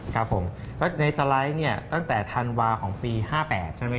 ครับผมแล้วในสไลด์ตั้งแต่ธันวาคมของปี๕๘ใช่ไหมครับ